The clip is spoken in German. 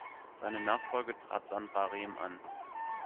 Seine Nachfolge trat Sandra Rehm an.